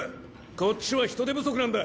こっちは人手不足なんだ。